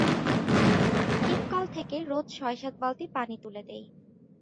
টিপকাল থেকে রোজ ছয়সাত বালতি পানি তুলে দেই।